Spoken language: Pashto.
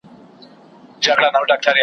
نه ونه پېژنم نه وني ته اشنا یمه نور .